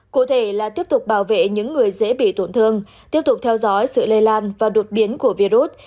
cụ thể là tiếp tục bảo vệ những người dễ bị tổn thương tiếp tục theo dõi sự lây lan và đột biến của virus